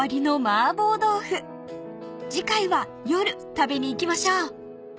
［次回は夜食べに行きましょう］